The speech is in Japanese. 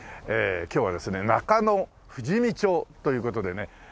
今日はですね中野富士見町という事でね。